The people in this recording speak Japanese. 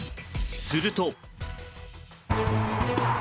すると。